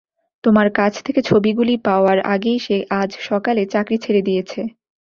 তোমার কাছ থেকে ছবিগুলি পাওয়ার আগেই, সে আজ সকালে চাকরি ছেড়ে দিয়েছে।